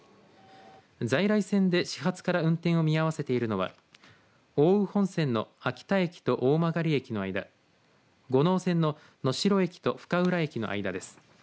在来線で始発から運転を見合わせているのは奥羽本線の秋田駅と大曲駅の間五能線の能代駅と深浦駅の間です。